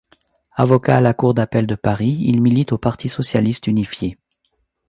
Avocat à la cour d'Appel de Paris, il milite au Parti socialiste unifié.